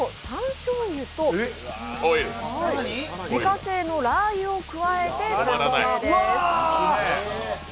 しょう油と自家製のラー油を加えて完成です。